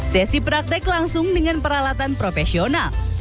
sesi praktek langsung dengan peralatan profesional